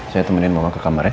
saya temenin mama ke kamar ya